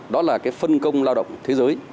đó là cái phân công lao động thế giới